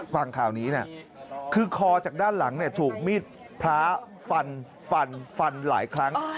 ฟังข่าวนี้นะคือคอจากด้านหลังถูกมีดพระฟันฟันหลายครั้ง